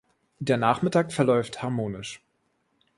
Der Nachmittag verläuft harmonisch.